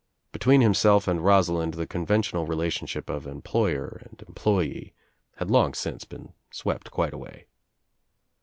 Between himself and Rosalind the conventional relationship of employer and employee had long since been swept quite away.